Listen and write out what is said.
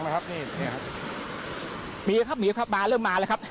ครับนี่ครับมีครับหนีครับมาเริ่มมาแล้วครับ